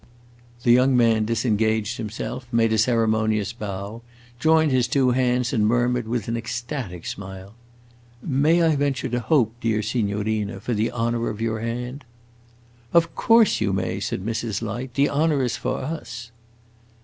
The young man disengaged himself, made a ceremonious bow, joined his two hands, and murmured with an ecstatic smile, "May I venture to hope, dear signorina, for the honor of your hand?" "Of course you may!" said Mrs. Light. "The honor is for us."